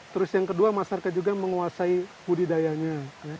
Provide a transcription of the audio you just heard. terus yang kedua masyarakat juga menguasai budidayanya